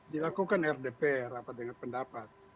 dilakukan rdp rapat dengan pendapat